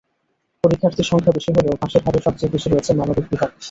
পরীক্ষার্থীর সংখ্যা বেশি হলেও পাসের হারে সবচেয়ে পিছিয়ে রয়েছে মানবিক বিভাগ।